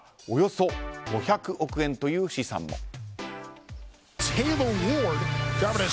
およそ５００億円という試算も。